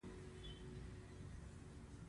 دا ډوډۍ خوږه ده